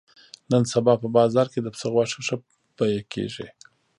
نن سبا په بازار کې د پسه غوښه ښه بیه کېږي.